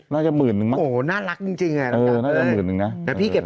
น่าจะหมื่นหนึ่งโหน่ารักจริงจริงเออน่าจะหมื่นหนึ่งน่ะแต่พี่เก็บ